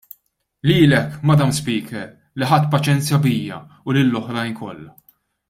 Lilek, Madam Speaker, li ħadt paċenzja bija u lill-oħrajn kollha.